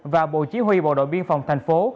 và bộ chí huy bộ đội biên phòng thành phố